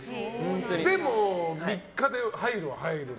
でも３日で入るは入るんだ。